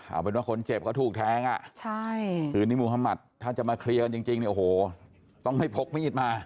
เอาเป็นว่าคนเจ็บก็ถูกแท้งคือนี้มุธมัฏถ้าจะมาเคลียร์กันจริงต้องไม่พกมีดมา